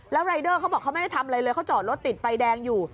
แล้วรายเดอร์เขาบอกเขาไม่ได้ทำอะไรเลยเขาจอดรถติดไฟแดงอยู่